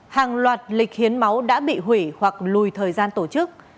hàng loạt lịch hiến máu đã bị hủy hoặc lùi thời gian tổ chức